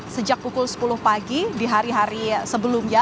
sejak pukul sepuluh pagi di hari hari sebelumnya